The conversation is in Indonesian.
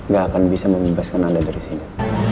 gak akan bisa membebaskan anda dari sini